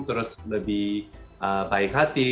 terus lebih baik hati